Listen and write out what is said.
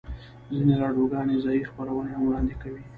ځینې راډیوګانې ځایی خپرونې هم وړاندې کوي